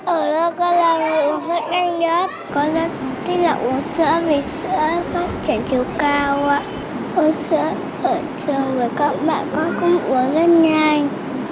ở đó con làm uống sữa nhanh nhất con rất thích lòng uống sữa vì sữa phát triển chiều cao uống sữa ở trường với các bạn con cũng uống rất nhanh